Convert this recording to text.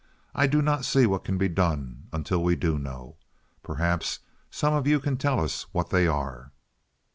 I do not see what can be done until we do know. Perhaps some of you can tell us what they are."